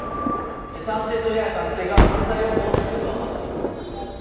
賛成とやや賛成が、反対を大きく上回っています。